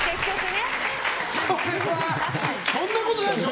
そんなことないでしょ！